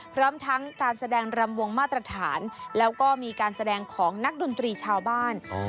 พร้อมทั้งการแสดงรำวงมาตรฐานแล้วก็มีการแสดงของนักดนตรีชาวบ้าน